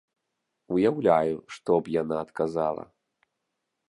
Уяўляю, што б яна адказала!